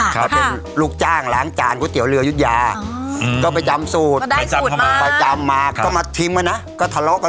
แล้วยังถามว่าสูตรที่เอามาทำเอามาจากไหนครับ